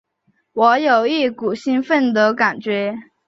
我有一股兴奋的感觉